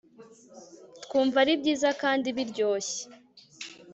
twumva ari byiza kandi biryoshye